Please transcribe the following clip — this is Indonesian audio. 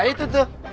nah itu tuh